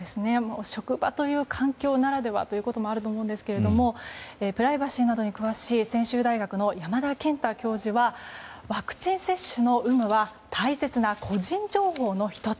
職場という環境ならではということもあると思うんですがプライバシーに詳しい専修大学の山田健太教授はワクチン接種の有無は大切な個人情報の１つ。